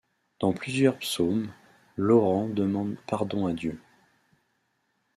Dans plusieurs psaumes, l'orant demande pardon à Dieu.